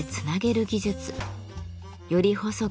より細く